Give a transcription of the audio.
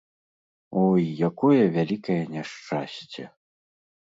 Ой, якое вялікае няшчасце!